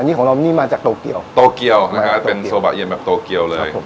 นี่ของเรานี่มาจากโตเกียวโตเกียวนะฮะเป็นโซบะเย็นแบบโตเกียวเลย